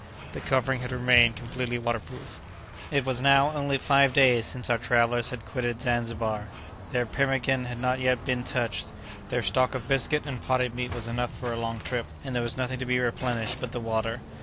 The covering had remained completely waterproof. It was now only five days since our travellers had quitted Zanzibar; their pemmican had not yet been touched; their stock of biscuit and potted meat was enough for a long trip, and there was nothing to be replenished but the water.